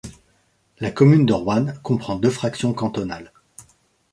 La commune de Roanne comprend deux fractions cantonales.